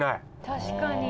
確かに。